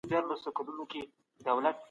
مه پرېږدئ چې ستاسې وړتیا ضایع شي.